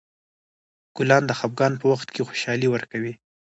ګلان د خفګان په وخت خوشحالي ورکوي.